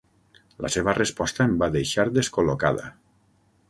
La seva resposta em va deixar descol·locada.